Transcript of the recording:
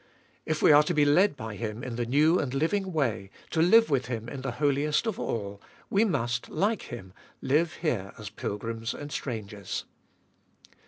If we are to be led by Him in the new and living way, to live with Him in the Holiest of All, we must, like Him, live here as pilgrims and strangers.